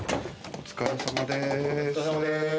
お疲れさまです